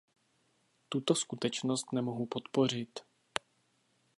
Tuto skutečnost nemohu podpořit.